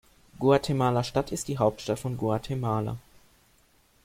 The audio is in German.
Guatemala-Stadt ist die Hauptstadt von Guatemala.